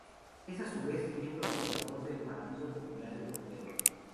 Es a su vez miembro observador del Partido Popular Europeo.